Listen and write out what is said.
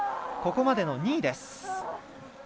ここまでの２位です。